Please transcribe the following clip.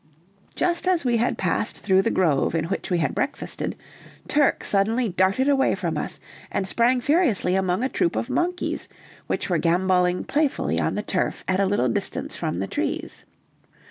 Just as we had passed through the grove in which we had breakfasted, Turk suddenly darted away from us and sprang furiously among a troop of monkeys, which were gamboling playfully on the turf at a little distance from the trees.